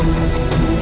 ada apaan sih